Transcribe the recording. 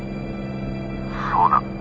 「そうだ」。